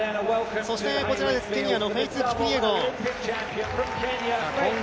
そしてこちら、ケニアのフェイス・キプイエゴン。